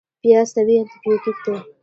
پیاز طبیعي انتي بیوټیک دی